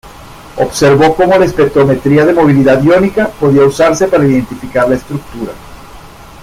Observó cómo la espectrometría de movilidad iónica podía usarse para identificar la estructura.